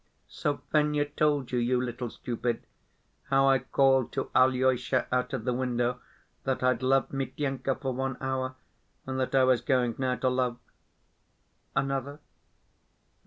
So Fenya told you, you little stupid, how I called to Alyosha out of the window that I'd loved Mityenka for one hour, and that I was going now to love ... another.